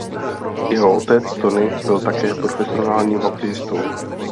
Jeho otec Tony byl také profesionálním hokejistou.